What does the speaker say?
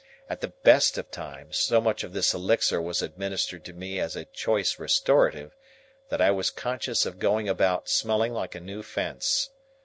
At the best of times, so much of this elixir was administered to me as a choice restorative, that I was conscious of going about, smelling like a new fence.